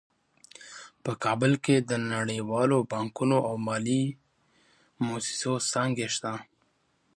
په کابل کې د نړیوالو بانکونو او مالي مؤسسو څانګې شته